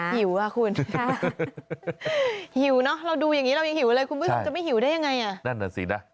หิวอ่ะคุณหิวเนอะเราดูอย่างนี้เรายังหิวเลยคุณผู้ชมจะไม่หิวได้ยังไง